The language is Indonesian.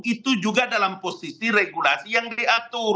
itu juga dalam posisi regulasi yang diatur